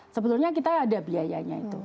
sebetulnya kita ada biayanya itu